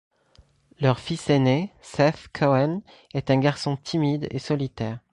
Leur fils aîné, Seth Cohen, est un garçon timide et solitaire.